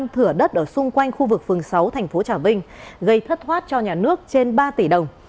thửa đất ở xung quanh khu vực phường sáu thành phố trà vinh gây thất thoát cho nhà nước trên ba tỷ đồng